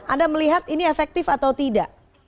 anda melihat ini efektif atau tidak